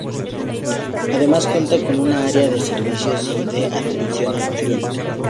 Además cuenta con un área de servicios y de atención al cliente.